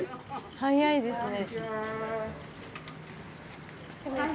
早いですね。